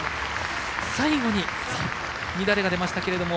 最後に乱れが出ました。